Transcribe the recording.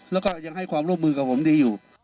แล้วก็ยังให้ความร่วมมือกับผมดีอยู่